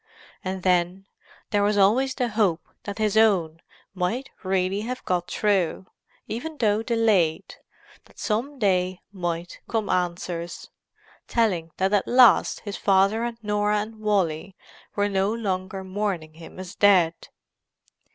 And then, there was always the hope that his own might really have got through, even though delayed; that some day might come answers, telling that at last his father and Norah and Wally were no longer mourning him as dead.